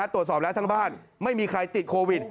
ตรวจสอบแล้วทั้งบ้านไม่มีใครติดโควิด